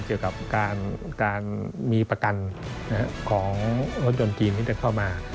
เกี่ยวกับการมีประกันของรถยนต์จีนที่จะเข้ามา